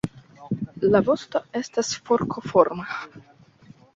La vosto estas forkoforma.